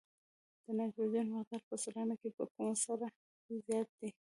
د نایتروجن مقدار په سلنه کې په کومه سره کې زیات دی؟